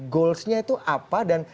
goalsnya itu apa dan